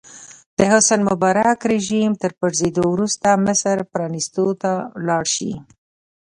د حسن مبارک رژیم تر پرځېدو وروسته مصر پرانیستو ته لاړ شي.